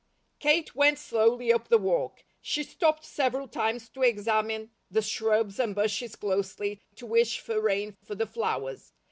Kate went slowly up the walk. She stopped several times to examine the shrubs and bushes closely, to wish for rain for the flowers.